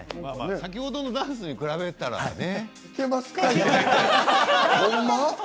先ほどのダンスに比べたらね。